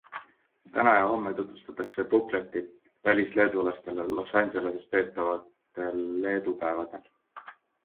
Täna ja homme tutvustatakse bukletit välisleedulastele Los Angeleses peetavatel Leedu päevadel.